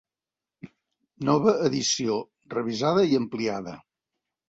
Nova edició, revisada i ampliada.